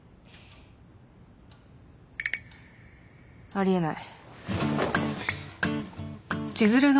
あり得ない。